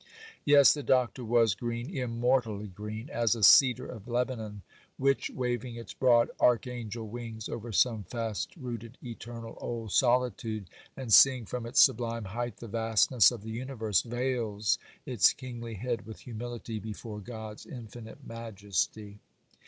Yes, the Doctor was green, immortally green, as a cedar of Lebanon which, waving its broad archangel wings over some fast rooted eternal old solitude, and seeing from its sublime height the vastness of the universe, veils its kingly head with humility before God's infinite majesty.